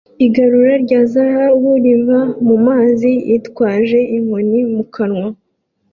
Igarura rya zahabu riva mu mazi yitwaje inkoni mu kanwa